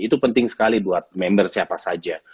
itu penting sekali buat member siapa saja